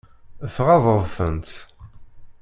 Tɣaḍeḍ-tent?